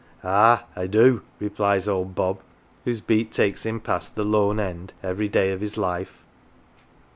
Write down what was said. Ah, I do," replies old Bob, whose beat takes him past the " lone end " every day of his life.